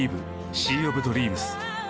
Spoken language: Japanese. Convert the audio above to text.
シー・オブ・ドリームス」。